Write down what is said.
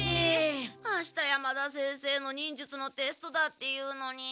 あした山田先生の忍術のテストだっていうのに。